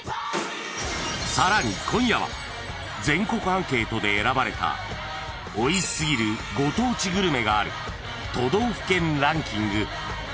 ［さらに今夜は全国アンケートで選ばれたおいしすぎるご当地グルメがある都道府県ランキング］